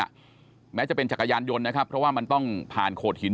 แม้จะเป็นจักรยานยนต์นะครับเพราะว่ามันต้องผ่านโขดหิน